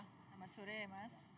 selamat sore mas